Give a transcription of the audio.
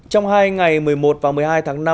trong hai ngày một mươi một và một mươi hai tháng năm